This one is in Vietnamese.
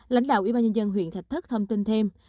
lãnh đạo ubnd huyện thạch thất thông tin thêm